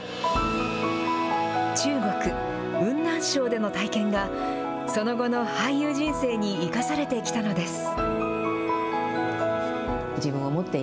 中国・雲南省での体験が、その後の俳優人生に生かされてきたのです。